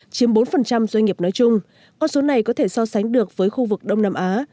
chiếm bốn doanh nghiệp nói chung con số này có thể so sánh được với khu vực đông nam á